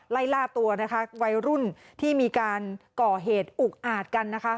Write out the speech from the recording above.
ไล่ล่าตัวนะคะวัยรุ่นที่มีการก่อเหตุอุกอาจกันนะคะ